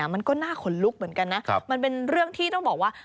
มันก็น่าขนลุกเหมือนกันนะมันเป็นเรื่องที่ต้องบอกว่า